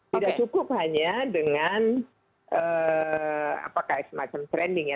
tidak cukup hanya dengan semacam trending ya